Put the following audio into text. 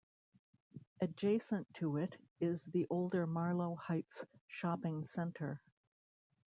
Adjacent to it is the older Marlow Heights shopping center.